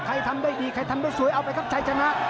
ทำได้ดีใครทำได้สวยเอาไปครับชัยชนะ